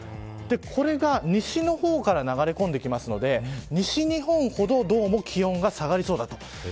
これが西の方から流れ込んできますので西日本ほどどうも気温が下がりそうだと。